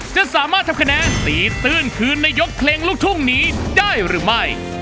จะสามารถทำคะแนนตีตื้นคืนในยกเพลงลูกทุ่งนี้ได้หรือไม่